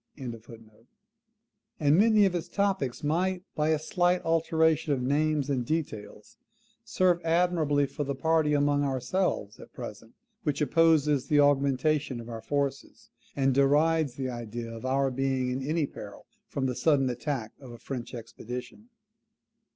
] and many of its topics might, by a slight alteration of names and details, serve admirably for the party among ourselves at present which opposes the augmentation of our forces, and derides the idea of our being in any peril from the sudden attack of a French expedition.